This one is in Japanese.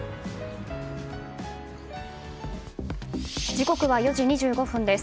時刻は４時２５分です。